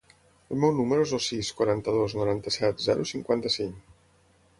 El meu número es el sis, quaranta-dos, noranta-set, zero, cinquanta-cinc.